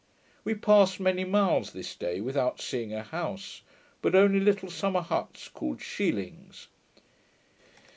We passed many miles this day without seeing a house, but only little summer huts, called shielings.